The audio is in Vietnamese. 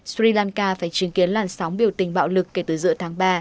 sri lanka phải chứng kiến làn sóng biểu tình bạo lực kể từ giữa tháng ba